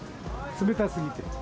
冷たすぎて。